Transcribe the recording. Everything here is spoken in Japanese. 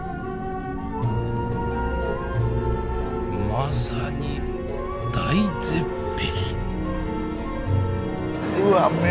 まさに大絶壁！